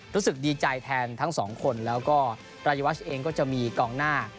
รู้สึกดีใจแทนทั้งสองคนแล้วก็รายวัชเองก็จะมีกองหน้า